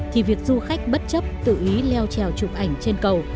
thì việc du khách bất chấp tự ý leo trèo chụp ảnh trên cầu